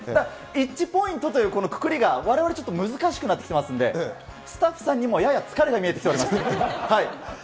イッチポイントというこのくくりが、われわれちょっと難しくなってきてますんで、スタッフさんにもやや疲れが見えてきております。